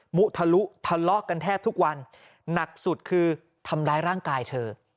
มุทะลุทะเลาะกันแทบทุกวันหนักสุดคือทำร้ายร่างกายเธอ